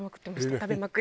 食べまくり。